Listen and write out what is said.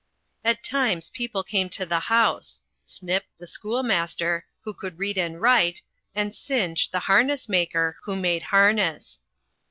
At times people came to the house Snip, the schoolmaster, who could read and write, and Cinch, the harness maker, who made harness.